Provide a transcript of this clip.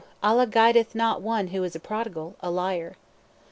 Allah guideth not one who is a prodigal, a liar.